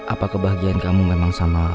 apa kebahagiaan kamu memang sama